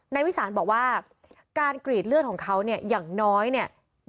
นายวิสานบอกว่าการกรีดเลือดของเขาเนี่ยอย่างน้อยเนี่ย